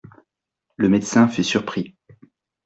Le médecin fut surpris.